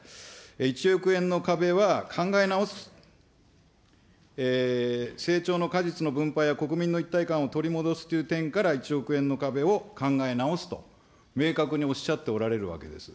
１億円の壁は考え直す、成長の果実の分配は国民の一体感を取り戻すという点から、１億円の壁を考え直すと、明確におっしゃっておられるわけです。